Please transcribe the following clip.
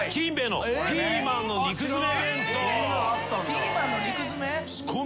ピーマンの肉詰め？